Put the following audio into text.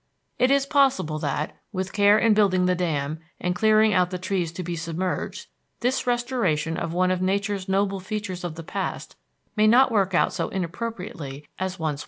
It is possible that, with care in building the dam and clearing out the trees to be submerged, this restoration of one of Nature's noble features of the past may not work out so inappropriately as once we feared.